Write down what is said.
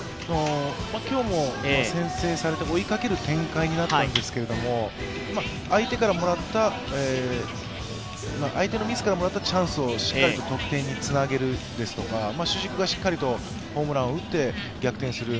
今日も先制されて追いかける展開になったんですが相手のミスからもらったチャンスをしっかりと得点につなげるとか主軸がしっかりとホームランを打って逆転する。